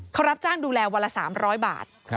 เขารับจ้างดูแลวันละ๓๐๐บาท